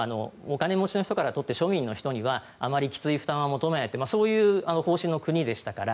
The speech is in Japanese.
日本はお金持ちの人から取って庶民の人にはあまりきつい負担を求めないそういう方針の国でしたから。